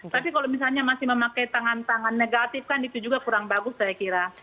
tapi kalau misalnya masih memakai tangan tangan negatif kan itu juga kurang bagus saya kira